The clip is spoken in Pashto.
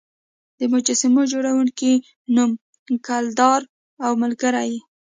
د مجسمو جوړونکي نوم ګیلډر او ملګري دی.